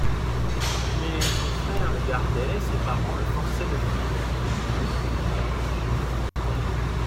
Mais son frère le gardait, ses parents le forçaient de vivre.